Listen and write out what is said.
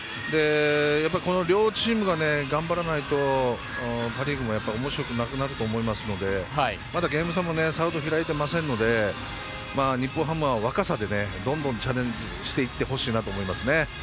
この両チームが頑張らないとパ・リーグもおもしろくなくなると思いますので、まだゲーム差もさほど開いていませんので日本ハムは若さでどんどんチャレンジしてきてほしいなと思います。